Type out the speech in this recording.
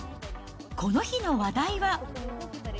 この日の話題は。